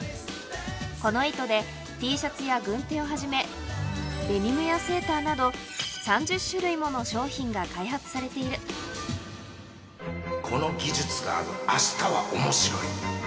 この糸で Ｔ シャツや軍手をはじめデニムやセーターなど３０種類もの商品が開発されているこの技術がある明日は面白い